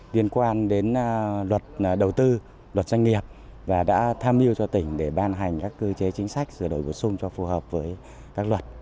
liên quan đến luật đầu tư luật doanh nghiệp và đã tham mưu cho tỉnh để ban hành các cơ chế chính sách sửa đổi bổ sung cho phù hợp với các luật